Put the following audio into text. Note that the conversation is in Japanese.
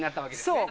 そう。